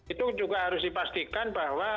itu juga harus dipastikan bahwa